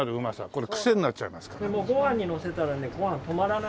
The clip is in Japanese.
これご飯にのせたらねご飯止まらないんです。